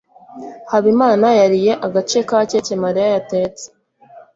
Habimana yariye agace keke Mariya yatetse.